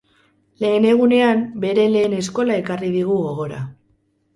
Lehen egunean, bere lehen eskola ekarri digu gogora.